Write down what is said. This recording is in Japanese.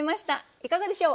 いかがでしょう？